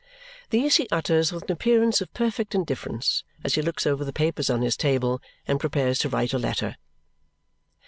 These he utters with an appearance of perfect indifference as he looks over the papers on his table and prepares to write a letter.